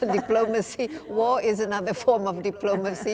diplomasi perang itu adalah bentuk diplomasi